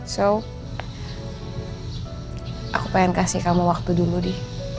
jadi aku pengen kasih kamu waktu dulu di